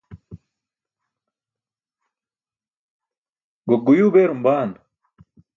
gokguyuu beerum baan?